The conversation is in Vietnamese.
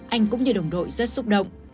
anh cũng như đồng đội rất xúc động